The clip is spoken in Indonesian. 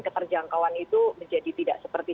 keterjangkauan itu menjadi tidak seperti